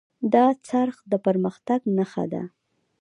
دا څرخ د پرمختګ نښه ده.